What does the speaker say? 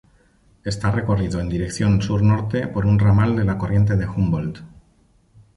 Está recorrido en dirección sur-norte por un ramal de la corriente de Humboldt.